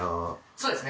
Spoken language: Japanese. そうですね。